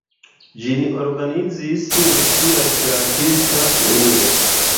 Ĝin organizis Rusia Esperantista Unio.